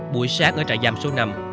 buổi sát ở trại giam số năm